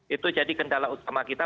itu jadi kendala utama kita